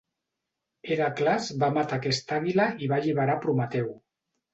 Hèracles va matar aquesta àguila i va alliberar Prometeu.